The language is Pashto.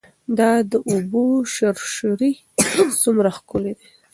دا د اوبو شرشرې څومره ښکلې دي.